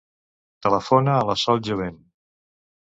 Telefona a la Sol Joven.